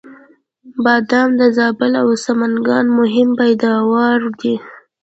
بادام د زابل او سمنګان مهم پیداوار دی